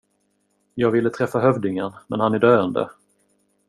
Jag ville träffa hövdingen men han är döende.